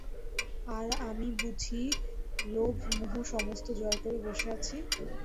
আর, আমি বুঝি লোভ মোহ সমস্ত জয় করে বসে আছি?